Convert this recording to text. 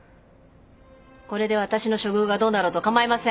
これで私の処遇がどうなろうと構いません。